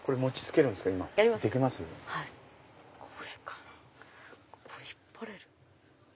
これ引っ張れる。